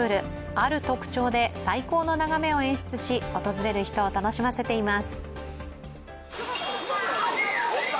ある特徴で最高の眺めを演出し、訪れる人を楽しませています。